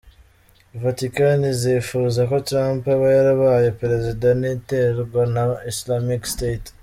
Vatican izifuza ko Trump aba yarabaye Perezida niterwa na Islamic State.